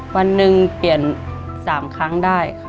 วันหนึ่งเปลี่ยน๓ครั้งได้ค่ะ